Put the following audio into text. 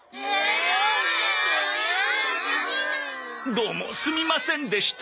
どうもすみませんでした。